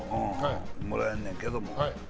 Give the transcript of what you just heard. もらえんねんけども。